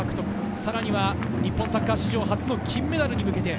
さらには日本サッカー史上の金メダルに向けて。